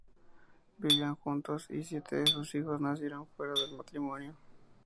Vivían juntos y siete de sus hijos nacieron fuera del matrimonio.